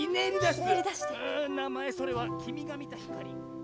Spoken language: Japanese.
うぅなまえそれはきみがみたひかり。